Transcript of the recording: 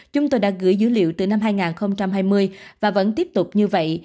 chúng tôi đã gửi dữ liệu từ năm hai nghìn hai mươi và vẫn tiếp tục như vậy